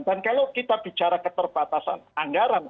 dan kalau kita bicara keterbatasan anggaran